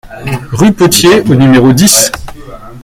Rue Potier au numéro dix